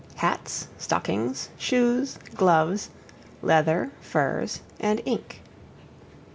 HATS, STOCKINGS, SHOES, GLOVES, LEATHER, FURS, AND INK.